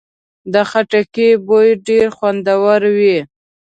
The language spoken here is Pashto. د خټکي بوی ډېر خوندور وي.